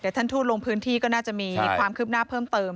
ท่านทูตลงพื้นที่ก็น่าจะมีความคืบหน้าเพิ่มเติม